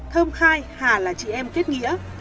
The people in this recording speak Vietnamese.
thơm khai hà là chị em kết nghĩa